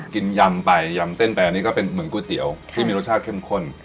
ยำไปยำเส้นไปอันนี้ก็เป็นเหมือนก๋วยเตี๋ยวที่มีรสชาติเข้มข้น